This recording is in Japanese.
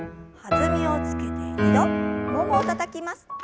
弾みをつけて２度ももをたたきます。